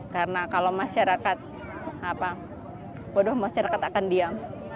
karena kalau masyarakat apa bodoh masyarakat akan diam